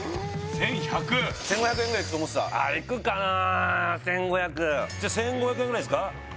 １５００円ぐらいいくと思ってたああいくかな１５００じゃあ１５００円ぐらいですか？